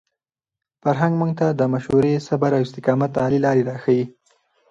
فرهنګ موږ ته د مشورې، صبر او استقامت عالي لارې راښيي.